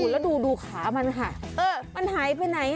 แล้วดูขามันค่ะมันหายไปไหน